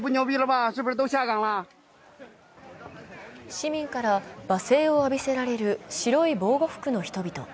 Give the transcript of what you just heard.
市民から罵声を浴びせられる白い防護服の人々。